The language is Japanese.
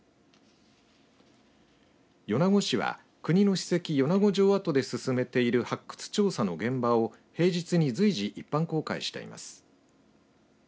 米子市は国の史跡、米子城跡で進めている発掘調査の現場を平日に随時一般公開しています。